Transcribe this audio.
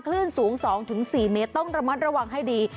คลื่นสูง๒๔เมตรต้องระมัดระวังให้ดี